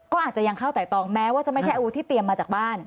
ก็อาจจะยังเข้าไต่ตองแม้ว่าจะไม่ใช่อาวุธที่เตรียมมาจากบ้าน